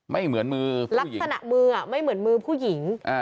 ไม่เหมือนมือลักษณะมือไม่เหมือนมือผู้หญิง